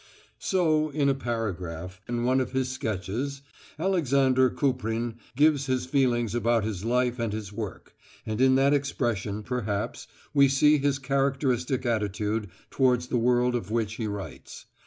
So in a paragraph in one of his sketches Alexander Kuprin gives his feelings about his life and his work, and in that expression perhaps we see his characteristic attitude towards the world of which he writes.